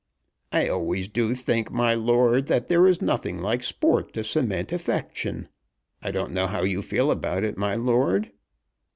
"I always do think, my lord, that there is nothing like sport to cement affection. I don't know how you feel about it, my lord."